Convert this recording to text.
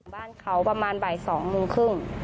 บ้านเขาประมาณบ่าย๒โมงครึ่ง